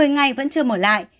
một mươi ngày vẫn chưa mở lại